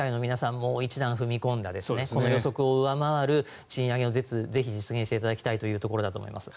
もう一段踏み込んだこの予測を上回る賃上げをぜひ実現していただきたいというところだと思います。